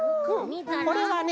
これはね